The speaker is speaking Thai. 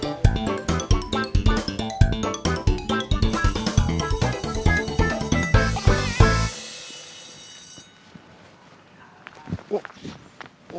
ชื่อฟอยแต่ไม่ใช่แฟง